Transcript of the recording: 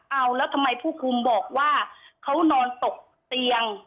เอาแล้วทำไมผู้คุมบอกว่าเขานอนตกเตียง